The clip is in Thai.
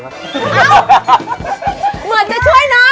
เหมือนจะช่วยนะ